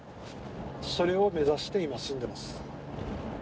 それを目指して今進んでます。